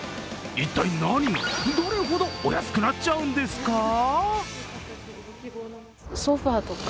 一体何が、どれほどお安くなっちゃうんですか？